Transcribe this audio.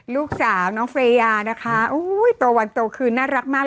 ลูกสาวน้องเฟรยานะคะโตวันโตคืนน่ารักมาก